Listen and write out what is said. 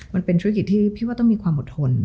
มันเป็นธุรกิจที่พี่ว่าต้องมีความอดทน